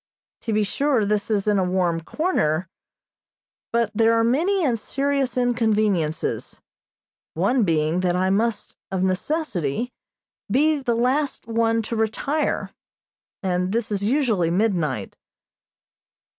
To be sure, this is in a warm corner, but there are many and serious inconveniences, one being that I must of necessity be the last one to retire, and this is usually midnight.